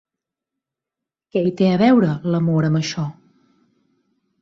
Què hi té a veure, l'amor amb això?